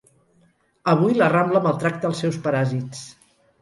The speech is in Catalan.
Avui la Rambla maltracta els seus paràsits.